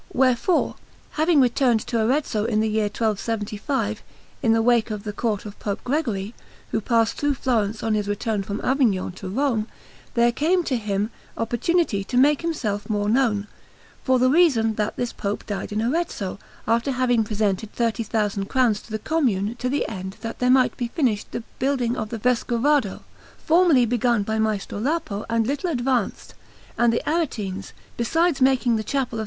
Wherefore, having returned to Arezzo in the year 1275, in the wake of the Court of Pope Gregory, who passed through Florence on his return from Avignon to Rome, there came to him opportunity to make himself more known, for the reason that this Pope died in Arezzo, after having presented thirty thousand crowns to the Commune to the end that there might be finished the building of the Vescovado, formerly begun by Maestro Lapo and little advanced, and the Aretines, besides making the Chapel of S.